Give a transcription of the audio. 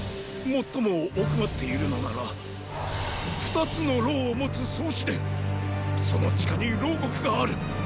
最も奥まっているのなら二つの楼を持つ“双紫殿”その地下に牢獄がある。